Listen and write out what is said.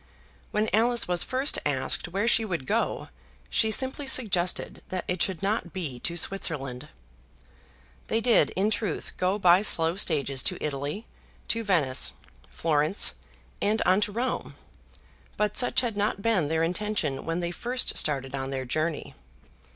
When Alice was first asked where she would go, she simply suggested that it should not be to Switzerland. They did, in truth, go by slow stages to Italy, to Venice, Florence, and on to Rome; but such had not been their intention when they first started on their journey.